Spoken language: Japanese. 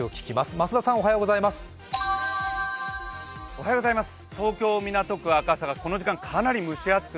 増田さん、おはようございます。